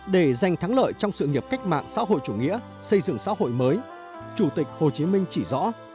để giành thắng lợi trong sự nghiệp cách mạng xã hội chủ nghĩa xây dựng xã hội mới chủ tịch hồ chí minh chỉ rõ